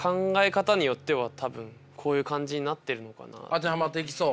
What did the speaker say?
当てはまっていきそう？